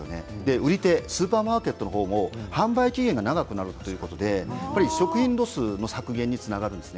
売り手、スーパーマーケットのほうも販売期限が長くなるということで食品ロスの削減につながるんです。